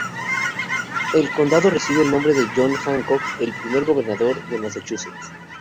El condado recibe el nombre de John Hancock, el primer gobernador de Massachusetts.